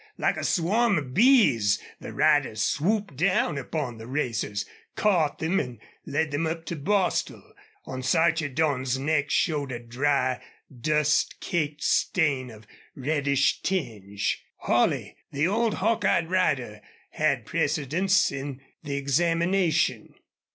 Like a swarm of bees the riders swooped down upon the racers, caught them, and led them up to Bostil. On Sarchedon's neck showed a dry, dust caked stain of reddish tinge. Holley, the old hawk eyed rider, had precedence in the examination.